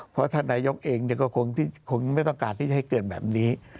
เพราะท่านนายกเองก็คงไม่ต้องการที่จะให้เกิดแบบนี้